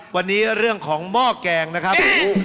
วันนี้เรื่องของหม้อแกงนะครับ